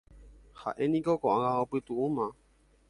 ha'éniko ko'ág̃a opytu'ũma